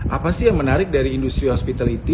apa sih yang menarik dari industri hospitality